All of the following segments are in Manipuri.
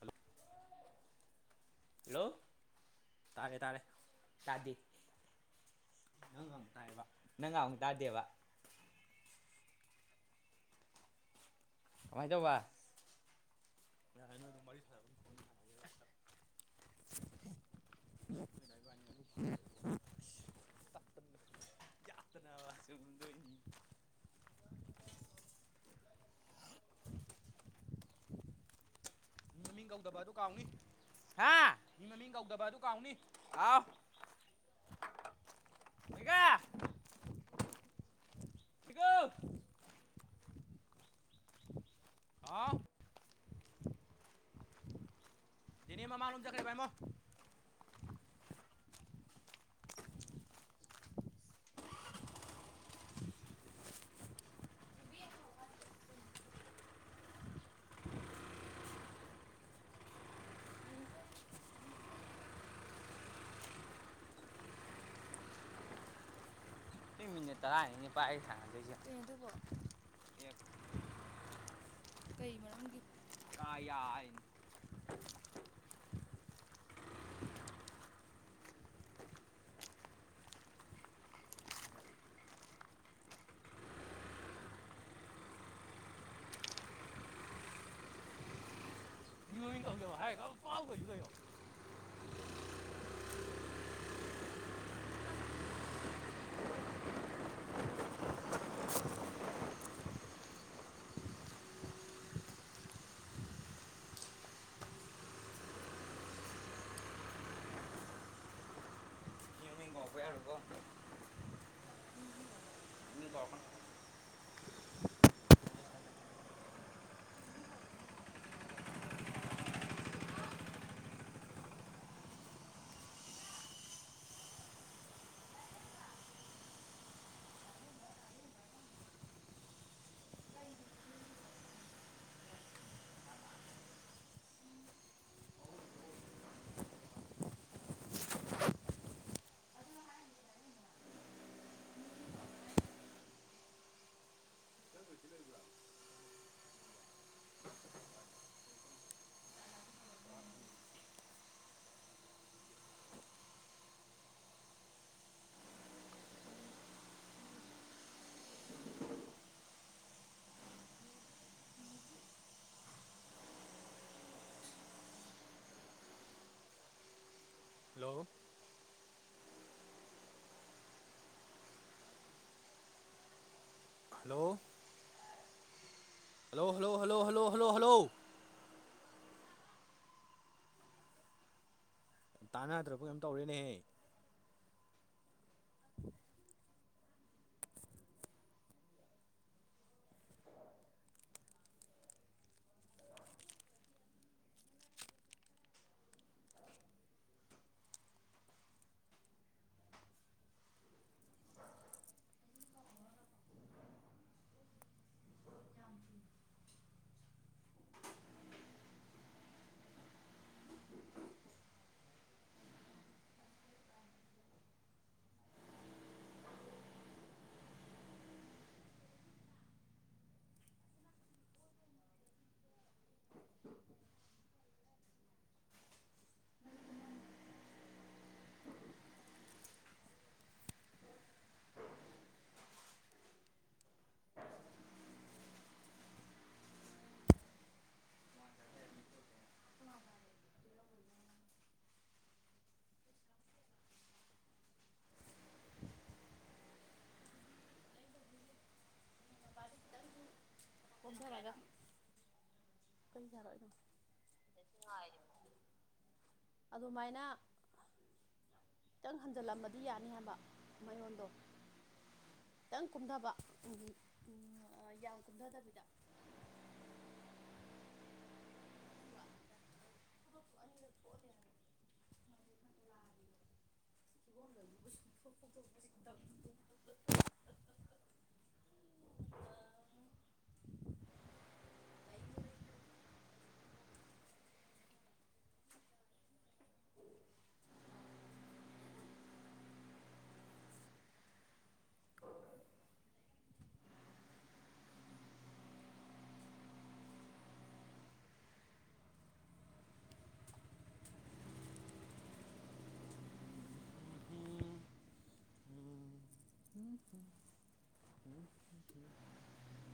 ꯍꯜꯂꯣ ꯍꯂꯣ ꯇꯥꯔꯦ ꯇꯥꯔꯦ ꯅꯪ ꯉꯥꯡꯕ ꯇꯥꯏꯌꯦꯕ ꯅꯪ ꯉꯥꯡꯕ ꯅꯪꯒꯥꯍꯇꯥ ꯗꯦꯕꯥ ꯇꯥꯗꯦꯕ ꯃꯥꯏꯗ ꯋꯥ ꯌꯥꯏ ꯅꯣꯏ ꯑꯗꯨꯝ ꯋꯥꯔꯤ ꯁꯅꯕ [inaudible] ꯁꯅ ꯌꯥꯠꯇꯅ ꯁꯨꯗ ꯃꯤ ꯃꯃꯤꯡ ꯀꯧꯗꯕ ꯑꯗꯨ ꯀꯥꯎꯅꯤ ꯃꯤ ꯃꯃꯤꯡ ꯀꯧꯗꯕ ꯑꯗꯨ ꯀꯥꯎꯅꯤ ꯑꯐ ꯂꯩꯀꯀꯣ ꯑ ꯅꯤꯃ ꯃꯥꯂ ꯆꯈꯦꯕꯥꯏꯃꯣ ꯗꯨꯏ ꯗꯗꯨꯕꯏ [inaudible] ꯄ ꯃꯤꯅꯤꯠ ꯇꯔꯥꯅꯤꯅꯤꯄꯥꯥꯏ ꯑꯩ ꯁꯥꯟꯅꯗꯣꯏꯁꯦ ꯀꯩ ꯃꯔꯝꯒꯤ ꯑ ꯌꯥꯔꯅ [inaudible] ꯌꯅ ꯀꯧꯗꯦꯕ ꯍꯥꯏꯒ ꯄꯥꯎꯈꯩꯁꯨ ꯀꯩꯅꯣ ꯏꯝ ꯃꯤ ꯉꯥꯎꯄꯩꯔꯀꯣ ꯃꯤ ꯀꯈ ꯍꯦꯜꯃꯦꯠꯇꯠꯇꯤ ꯂꯩꯕ꯭ꯔꯥ [inaudible] [inaudible] [inaudible] hello hello hello hello hello hello hello hello ꯇꯥꯟꯅꯗ꯭ꯔꯕ ꯀꯩꯝ ꯇꯧꯔꯦꯅꯦꯍꯦ [inaudible] ꯀꯊ ꯍꯥꯏꯒ ꯀꯩ ꯆꯔꯣ ꯑꯗꯨꯃꯥꯏꯅ ꯈꯤꯇꯪ ꯍꯟꯖꯤꯜꯂꯝꯕꯗꯤ ꯌꯥꯅꯤ ꯍꯥꯏꯕ ꯃꯌꯣꯟꯗꯣ ꯈꯤꯇꯪ ꯀꯨꯝꯊꯕ ꯌꯥꯝ ꯀꯨꯝꯊꯗꯕꯤꯗ [inaudible] ꯋꯥ [inaudible] ꯎꯝ [inaudible]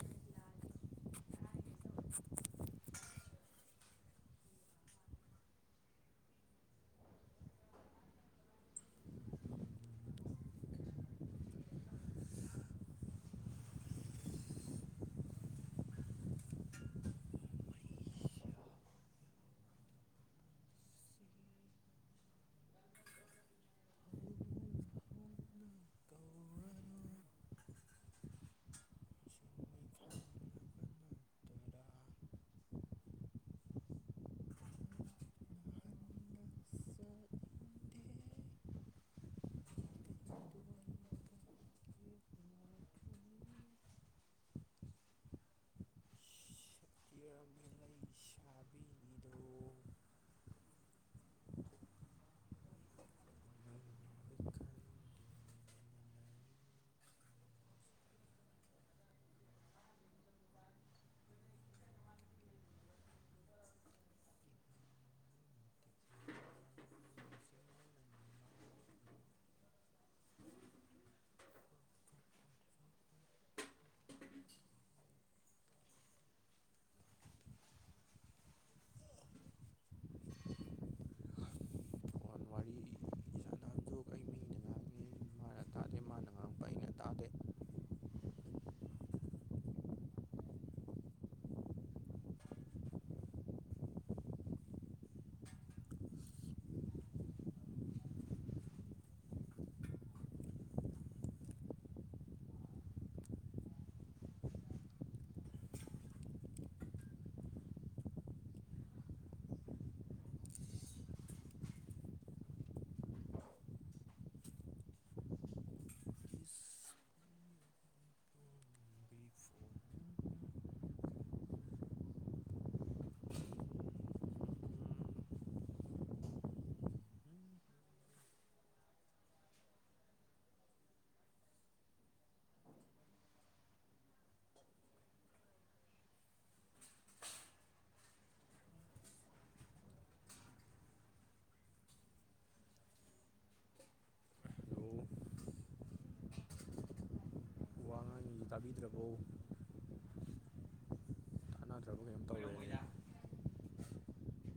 [inaudible] ꯀꯧꯔꯅꯨ ꯁꯤꯟꯃꯤ [inaudible] ꯈꯪꯂꯕ ꯅꯠꯇꯔꯥ ꯀꯤꯔꯃꯤ ꯂꯩ ꯁꯥꯕꯤꯅꯤꯗ ꯃꯩꯅꯕ ꯐꯣꯟ ꯋꯥꯔꯤ ꯁꯥꯟꯅꯕꯗꯨ ꯑꯩ ꯃꯤꯅ ꯇꯗ ꯐꯣꯟ ꯍꯜꯂꯣ ꯋꯥꯉꯥꯡꯁꯤ ꯇꯥꯕꯤꯗ꯭ꯔꯕꯣ ꯇꯥꯟꯅꯗ꯭ꯔꯕ ꯀꯩꯅꯣꯝ ꯇꯧꯔꯦꯅꯦ ꯑꯣꯏꯔꯝꯃꯣꯏꯗ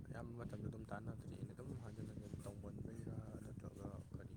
ꯑꯌꯥꯝꯕ ꯃꯇꯝꯗ ꯑꯗꯨꯝ ꯇꯥꯟꯅꯗ꯭ꯔꯦ ꯑꯩꯅ ꯑꯗꯨꯝ ꯍꯟꯖꯤꯟ ꯍꯟꯖꯤꯟ ꯇꯧꯒꯟꯕꯔꯥ ꯅꯠꯇ꯭ꯔꯒ ꯀꯔꯤ